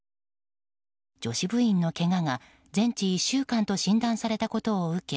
女子部員のけがが全治１週間と診断されたことを受け